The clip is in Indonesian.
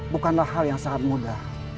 bukanlah hal yang sangat mudah